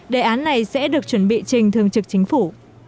đề án này sẽ được chuẩn bị trình thường trực chính phủ